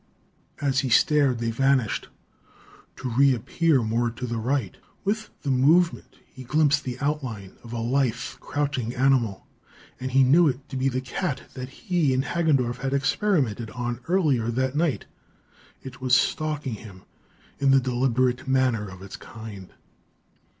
As he stared, they vanished, to reappear more to the right. With the movement, he glimpsed the outline of a lithe, crouching animal, and knew it to be the cat he and Hagendorff had experimented on earlier that night. It was stalking him in the deliberate manner of its kind!